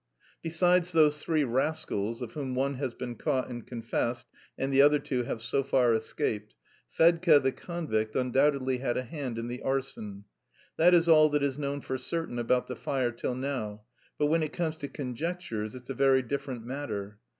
Besides those three rascals (of whom one has been caught and confessed and the other two have so far escaped), Fedka the convict undoubtedly had a hand in the arson. That is all that is known for certain about the fire till now; but when it comes to conjectures it's a very different matter.